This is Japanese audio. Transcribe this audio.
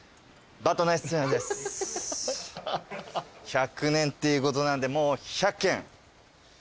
１００年っていうことなんでもう。